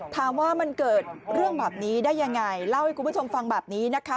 ถามว่ามันเกิดเรื่องแบบนี้ได้ยังไงเล่าให้คุณผู้ชมฟังแบบนี้นะคะ